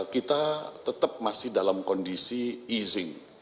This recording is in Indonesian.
kita tetap masih dalam kondisi easyc